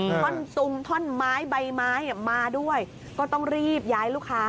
ท่อนซุมท่อนไม้ใบไม้มาด้วยก็ต้องรีบย้ายลูกค้า